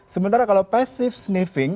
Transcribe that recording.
sementara kalau passive sniffing